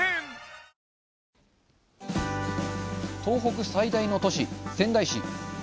東北最大の都市・仙台市。